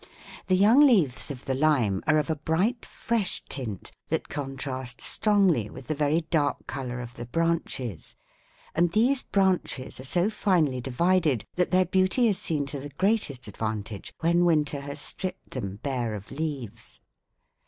The young leaves of the lime are of a bright fresh tint that contrasts strongly with the very dark color of the branches; and these branches are so finely divided that their beauty is seen to the greatest advantage when winter has stripped them bare of leaves.